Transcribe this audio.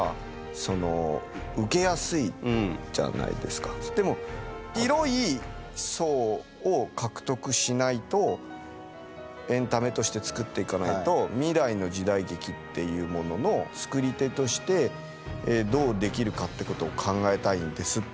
これはねでも広い層を獲得しないとエンタメとして作っていかないと未来の時代劇っていうものの作り手としてどうできるかってことを考えたいんです。